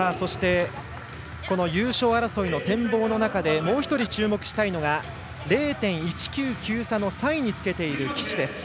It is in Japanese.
優勝争いの展望の中でもう１人、注目したいのが０．１９９差の３位につけている岸です。